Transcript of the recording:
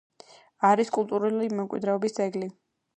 არის კულტურული მემკვიდრეობის ძეგლი.